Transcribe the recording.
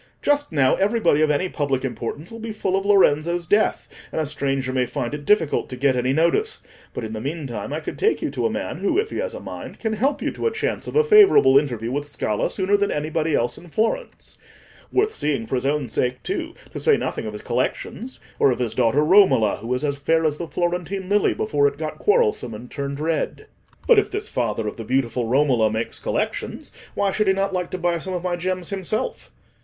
"Just now everybody of any public importance will be full of Lorenzo's death, and a stranger may find it difficult to get any notice. But in the meantime, I could take you to a man who, if he has a mind, can help you to a chance of a favourable interview with Scala sooner than anybody else in Florence—worth seeing for his own sake too, to say nothing of his collections, or of his daughter Romola, who is as fair as the Florentine lily before it got quarrelsome and turned red." "But if this father of the beautiful Romola makes collections, why should he not like to buy some of my gems himself?"